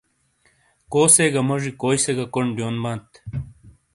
کوسے گہ موجی کوئی سے گہ کونڈ دیون بانت۔